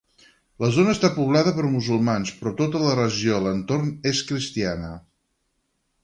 La zona està poblada per musulmans però tota la regió a l'entorn és cristiana.